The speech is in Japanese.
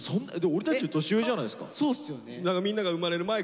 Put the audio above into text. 俺たちより年上じゃないですか。